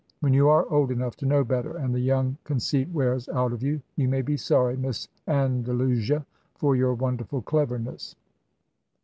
When you are old enough to know better, and the young conceit wears out of you, you may be sorry, Miss Andalusia, for your wonderful cleverness."